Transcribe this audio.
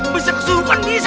bisa kesuhukan bisa